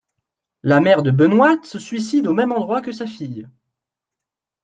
La mère de Benoite se suicide au même endroit que sa fille.